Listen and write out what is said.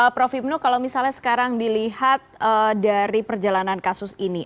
prof ibnu kalau misalnya sekarang dilihat dari perjalanan kasus ini